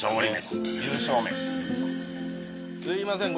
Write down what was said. すいません